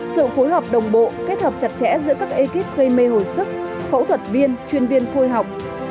sự phối hợp đồng bộ kết hợp chặt chẽ giữa các ekip gây mê hồi sức phẫu thuật viên chuyên viên phôi học